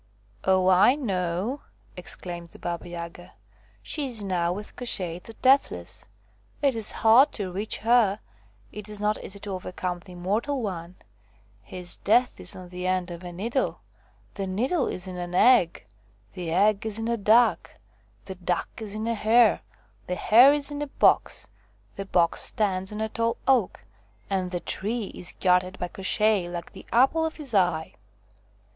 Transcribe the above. " Oh, I know !' exclaimed the Baba Yaga ," She is now with Koshchei the Deathless. It is hard to reach her ; it is not easy to overcome the immortal one : his death is on the end of a needle ; the needle is in an egg ; the egg is in a duck ; the duck is in a hare ; the hare is in a box ; the box stands on a tall oak ; and the tree is guarded by Koshchei like the apple of his eye."